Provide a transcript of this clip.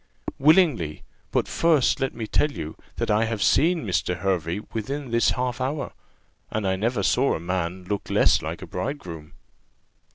"Willingly. But first let me tell you, that I have seen Mr. Hervey within this half hour, and I never saw a man look less like a bridegroom."